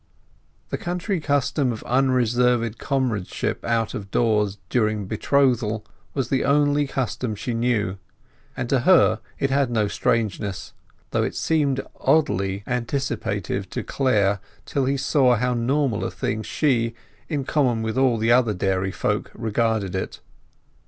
The country custom of unreserved comradeship out of doors during betrothal was the only custom she knew, and to her it had no strangeness; though it seemed oddly anticipative to Clare till he saw how normal a thing she, in common with all the other dairy folk, regarded it.